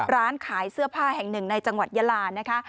ร้านขายเสื้อผ้าแห่งหนึ่งในจังหวัดยาลานะคะ